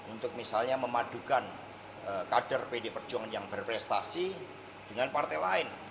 untuk misalnya memadukan kader pdi perjuangan yang berprestasi dengan partai lain